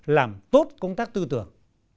làm tốt công tác tư tưởng